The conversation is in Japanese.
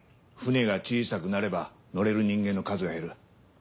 船が小さくなれば乗れる人間の数が減る。